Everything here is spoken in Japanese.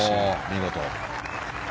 見事。